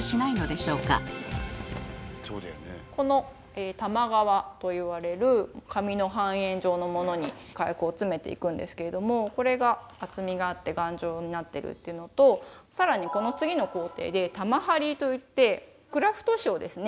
しかしこの「玉皮」と言われる紙の半円状のものに火薬を詰めていくんですけれどもこれが厚みがあって頑丈になってるっていうのと更にこの次の工程で「玉貼り」といってクラフト紙をですね